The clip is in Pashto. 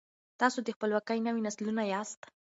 تاسو د خپلواکۍ نوي نسلونه یاست.